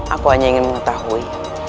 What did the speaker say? aku hanya ingin mengetahui